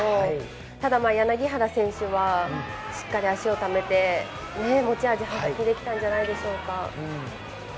ただ柳原選手は、しっかり脚をためて、持ち味を発揮できたんじゃないでしょうか。